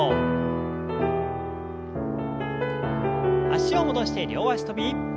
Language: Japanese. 脚を戻して両脚跳び。